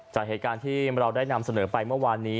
จากเหตุการณ์ที่เราได้นำเสนอไปเมื่อวานนี้